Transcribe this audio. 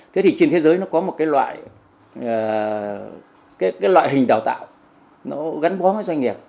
thế thì trên thế giới nó có một loại hình đào tạo gắn bó với doanh nghiệp